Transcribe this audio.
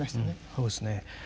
そうですね。